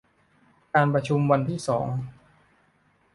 การประชุมวันที่สอง